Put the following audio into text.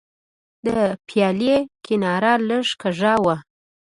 د پیالې کناره لږه کږه وه.